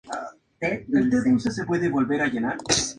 No queda claro cómo interpretar esto todavía.